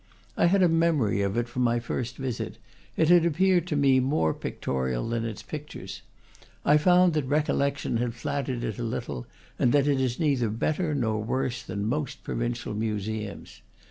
I had a memory of it from my first visit; it had appeared to me more pictorial than its pictures. I found that recollection had flattered it a little, and that it is neither better nor worse than most provincial museums.